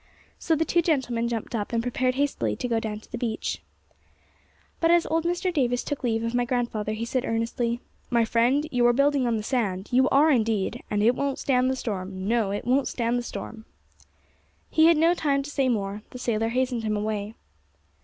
So the two gentlemen jumped up, and prepared hastily to go down to the beach. But as old Mr. Davis took leave of my grandfather, he said earnestly, 'My friend, you are building on the sand; you are indeed, and it won't stand the storm; no, it won't stand the storm!' He had no time to say more, the sailor hastened him away.